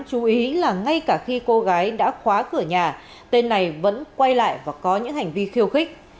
thay cả khi cô gái đã khóa cửa nhà tên này vẫn quay lại và có những hành vi khiêu khích